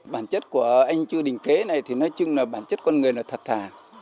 bản chất của anh chư đình kế này thì nói chung là bản chất con người là thật thà